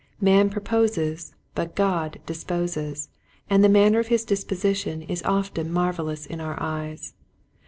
Man proposes but God disposes, and the manner of his disposition is often marvel ous in our eyes.